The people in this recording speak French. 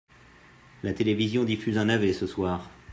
La télévision diffuse un navet ce soir